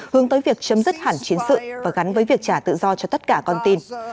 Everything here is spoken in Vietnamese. hướng tới việc chấm dứt hẳn chiến sự và gắn với việc trả tự do cho tất cả con tin